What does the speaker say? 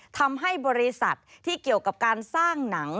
ทำให้บริษัทที่เกี่ยวกับการสร้างหนัง